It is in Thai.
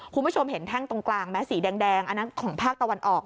คุณผู้ชมเห็นแท่งตรงกลางไหมสีแดงอันนั้นของภาคตะวันออก